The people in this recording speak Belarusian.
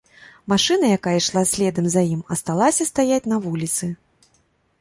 Машына, якая ішла следам за ім, асталася стаяць на вуліцы.